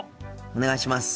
お願いします。